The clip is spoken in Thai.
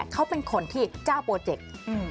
เขาเป็นคนที่เจ้าโปรเจกต์